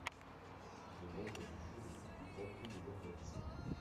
Il est membre du jury du grand prix de l'urbanisme.